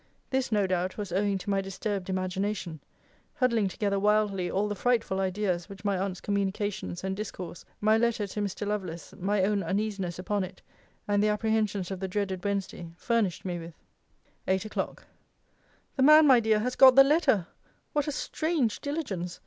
This, no doubt, was owing to my disturbed imagination; huddling together wildly all the frightful idea which my aunt's communications and discourse, my letter to Mr. Lovelace, my own uneasiness upon it, and the apprehensions of the dreaded Wednesday, furnished me with. EIGHT O'CLOCK. The man, my dear, has got the letter! What a strange diligence!